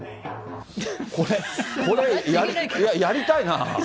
これ、やりたいな。